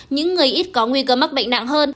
những người ít có nguy cơ mắc bệnh nặng hơn